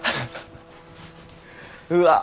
うわ！